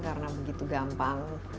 karena begitu gampang